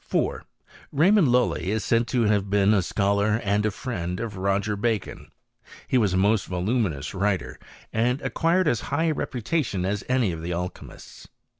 38 HtSTOIiY eV CHEMISTRY. 4. Kaymond Lully is said to have becfb a scliolar and a fiiend of Roger Bacon. He was a most vo luminous writer, and acquired as high a reputatioii as any of the alchymists.